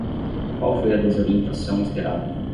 Qual foi a desorientação esperada?